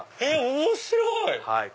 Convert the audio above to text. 面白い！